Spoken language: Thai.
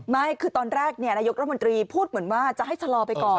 ไม่คือตอนแรกนายกรัฐมนตรีพูดเหมือนว่าจะให้ชะลอไปก่อน